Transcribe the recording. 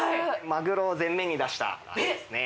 マグロを全面に出した味ですね。